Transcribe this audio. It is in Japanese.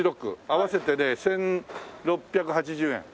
合わせてね１６８０円。